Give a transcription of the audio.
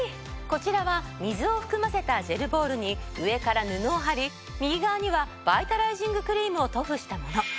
こちらは水を含ませたジェルボールに上から布を貼り右側にはバイタライジングクリームを塗布したもの。